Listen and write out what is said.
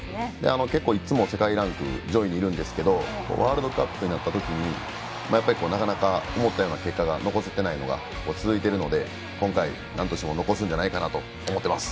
結構、いつも世界ランクの上位にいるんですけどワールドカップになった時になかなか思ったような結果が残せてないのが続いているので今回、なんとしても結果を残すんじゃないかと思います。